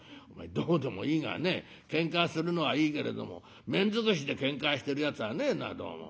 どうでもいいがねけんかするのはいいけれども面尽くしでけんかしてるやつはねえなどうも。